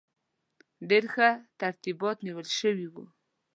ډېر ښه ترتیبات نیول شوي وو.